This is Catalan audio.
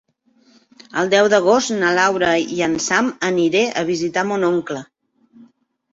El deu d'agost na Laura i en Sam aniré a visitar mon oncle.